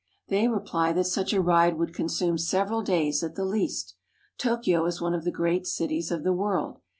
They reply that such a ride would consume several days, at the least. Tokyo is one of the great cities of the world.